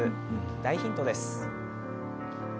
大ヒントです。